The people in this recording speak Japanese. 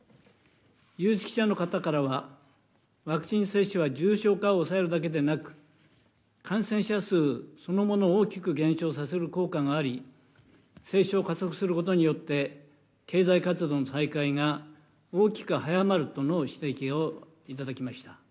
有識者の方からは、ワクチン接種は重症化を抑えるだけでなく、感染者数そのものを大きく減少させる効果があり、接種を加速することによって、経済活動の再開が大きく早まるとの指摘を頂きました。